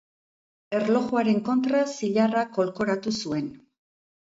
Erlojuaren kontra zilarra kolkoratu zuen.